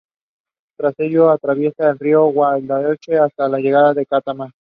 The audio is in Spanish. Tras ello atraviesa el río Guadalhorce hasta llegar a Cártama.